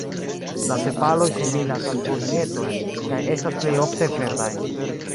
La sepaloj similas al folietoj, kaj estas plejofte verdaj.